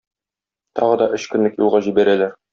Тагы да өч көнлек юлга җибәрәләр.